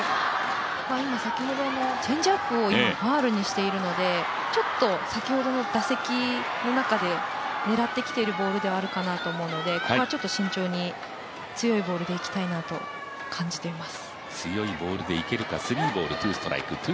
今、先ほどチェンジアップをファウルにしているのでちょっと先ほどの打席の中で狙ってきているボールではあるかなと思うのでここはちょっと慎重に強いボールでいきたいなと感じています。